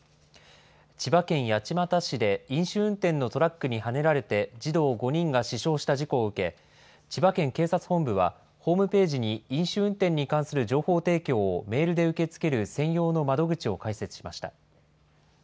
千葉県八街市で、飲酒運転のトラックにはねられて、児童５人が死傷した事故を受け、千葉県警察本部は、ホームページに飲酒運転に関する情報提供をメールで受け付ける専用の窓口を開設しました。